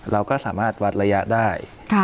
เราก็สามารถวัดระยะได้